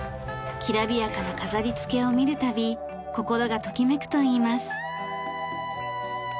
きらびやかな飾りつけを見るたび心がときめくといいます。